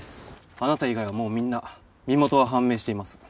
あなた以外はもうみんな身元は判明しています